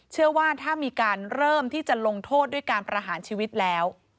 เชื่อว่าถ้ามีการเริ่มที่จะลงโทษด้วยการประหารชีวิตแล้ว